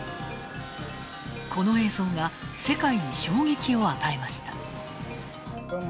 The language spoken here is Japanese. この映像が、世界に衝撃を与えました。